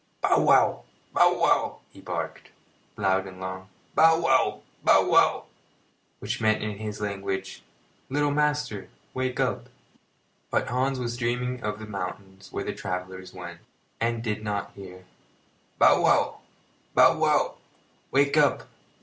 "Bow wow! Bow wow!" he barked, loud and long, "Bow wow! Bow wow!" which meant in his language, "Little master, wake up!" But Hans was dreaming of the mountains where the travellers went, and did not hear. "Bow wow! Bow wow! Wake up!